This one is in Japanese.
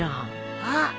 あっ。